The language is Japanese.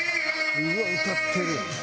「うわっ歌ってる」